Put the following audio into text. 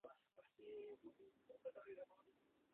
Donostiarrek izango dute azken hitza.